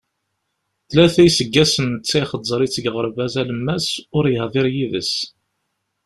Tlata iseggasen netta ixeẓẓer-itt deg uɣerbaz alemmas, ur yehdir yid-s!